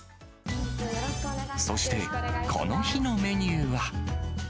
そして、この日のメニューは。